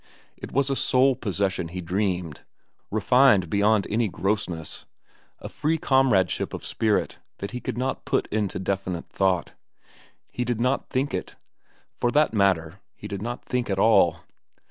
It was a soul possession he dreamed, refined beyond any grossness, a free comradeship of spirit that he could not put into definite thought. He did not think it. For that matter, he did not think at all.